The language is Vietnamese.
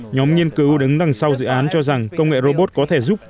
nhóm nghiên cứu đứng đằng sau dự án cho rằng công nghệ robot có thể giúp